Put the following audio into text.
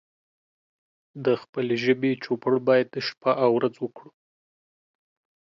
د خپلې ژبې چوپړ بايد شپه او ورځ وکړو